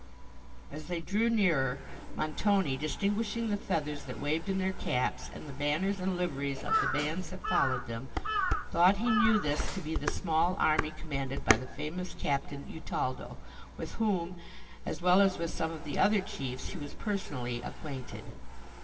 As they drew nearer, Montoni, distinguishing the feathers that waved in their caps, and the banners and liveries of the bands that followed them, thought he knew this to be the small army commanded by the famous captain Utaldo, with whom, as well as with some of the other chiefs, he was personally acquainted.